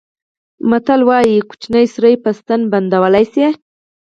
متل وایي کوچنی سوری په ستن بندېدلای شي.